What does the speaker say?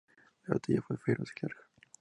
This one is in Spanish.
La batalla fue feroz y larga.